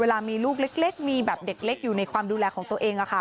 เวลามีลูกเล็กมีแบบเด็กเล็กอยู่ในความดูแลของตัวเอง